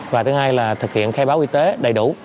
và thứ hai là thực hiện khai báo y tế đầy đủ